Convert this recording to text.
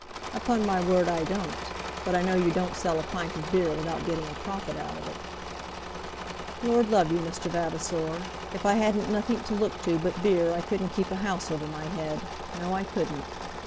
"Upon my word I don't. But I know you don't sell a pint of beer without getting a profit out of it." "Lord love you, Mr. Vavasor. If I hadn't nothink to look to but beer I couldn't keep a house over my head; no I couldn't.